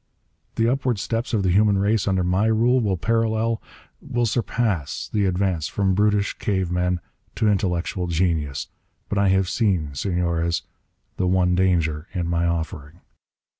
The upward steps of the human race under my rule will parallel, will surpass the advance from the brutish caveman to intellectual genius. But I have seen, Senores, the one danger in my offering."